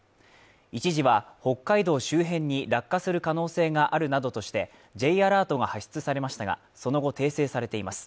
一時は北海道周辺に落下する可能性があるなどとして、Ｊアラートが発出されましたが、その後訂正されています。